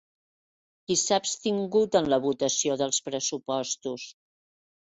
Qui s'ha abstingut en la votació dels pressupostos?